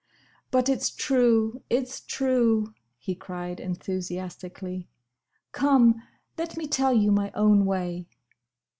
"But it's true!—It's true!" he cried enthusiastically. "Come! let me tell you my own way!"